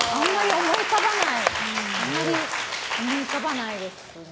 あんまり思い浮かばないですね。